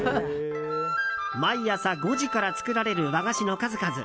毎朝５時から作られる和菓子の数々。